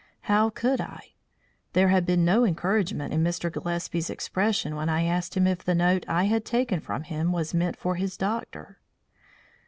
How could I? There had been no encouragement in Mr. Gillespie's expression when I asked him if the note I had taken from him was meant for his doctor.